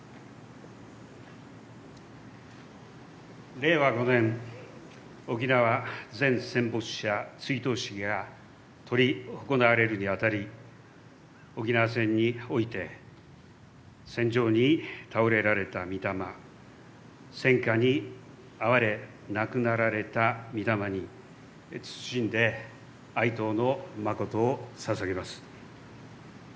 令和５年沖縄全戦没者追悼式が執り行われるに当たり沖縄戦において戦場に斃れられた御霊戦禍に遭われ亡くなられた御霊に謹んで哀悼の誠を捧げます。